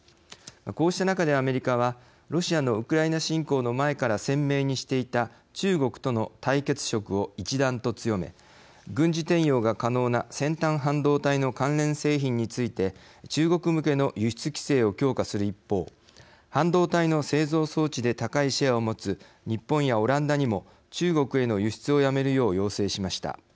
こうした中でアメリカはロシアのウクライナ侵攻の前から鮮明にしていた中国との対決色を一段と強め軍事転用が可能な先端半導体の関連製品について中国向けの輸出規制を強化する一方半導体の製造装置で高いシェアをもつ日本やオランダにも中国への輸出をやめるよう要請しました。